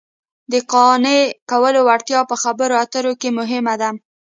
د قانع کولو وړتیا په خبرو اترو کې مهمه ده